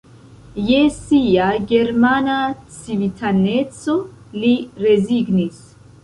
Je sia germana civitaneco li rezignis.